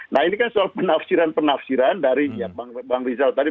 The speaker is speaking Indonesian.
nah ini kan soal penafsiran penafsiran dari bang rizal tadi